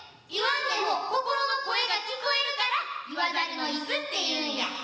言わんでも心の声が聞こえるから「言わざるの椅子」っていうんや。